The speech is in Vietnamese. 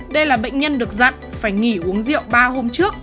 đây là bệnh nhân được dặn phải nghỉ uống rượu ba hôm trước